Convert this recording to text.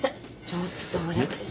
ちょっと。